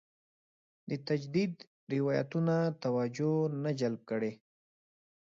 د تجدید روایتونه توجه نه جلب کړې.